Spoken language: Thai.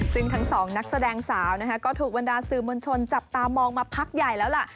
ซึ่งทั้งสองนักแสดงสาวนะคะก็ถูกบรรดาสื่อมวลชนจับตามองมาพักใหญ่แล้วล่ะ